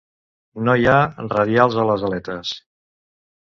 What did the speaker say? No hi ha radials a les aletes.